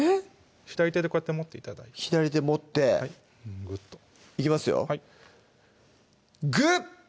左手でこうやって持って頂いて左手持ってグッといきますよグッ！